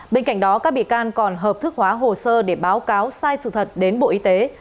bên cạnh đó các bị can còn hợp thức hóa hồ sơ để báo cáo sai sự thật đến bộ y tế